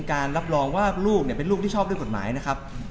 รับรองว่าลูกเป็นลูกที่ชอบด้วยกฎหมายนะครับ